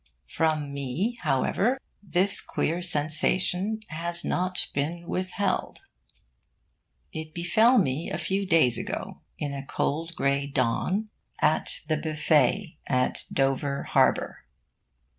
From me, however, this queer sensation has not been withheld. It befell me a few days ago; in a cold grey dawn, and in the Buffet of Dover Harbour.